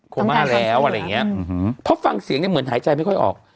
มาแล้วอะไรอย่างเงี้ยเพราะฟังเสียงเนี่ยเหมือนหายใจไม่ค่อยออก